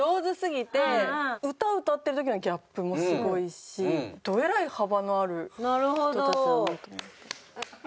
歌歌ってる時のギャップもすごいしドえらい幅のある人たちだなと。